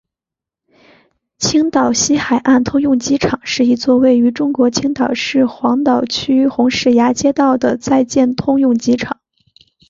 青岛西海岸通用机场是一座位于中国青岛市黄岛区红石崖街道的在建通用机场。